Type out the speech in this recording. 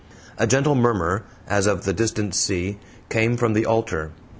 A gentle murmur, as of the distant sea, came from the altar.